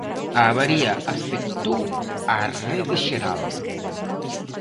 A avaría afectou á rede xeral.